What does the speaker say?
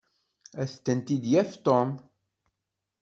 Ad tent-id-yaf Tom.